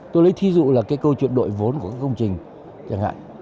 tôi lấy thí dụ là cái câu chuyện đội vốn của các công trình chẳng hạn